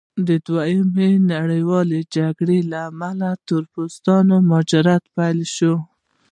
د دویمې نړیوالې جګړې له امله د تور پوستو مهاجرت پیل شو.